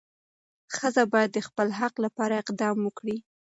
ښځه باید د خپل حق لپاره اقدام وکړي.